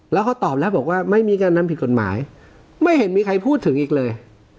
แล้วเขาตอบแล้วบอกว่าไม่มีการนำผิดกฎหมายไม่เห็นมีใครพูดถึงอีกเลย